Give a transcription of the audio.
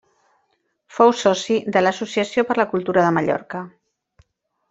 Fou soci de l’Associació per la Cultura de Mallorca.